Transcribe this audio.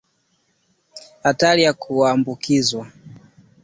hatari ya kuambukizwa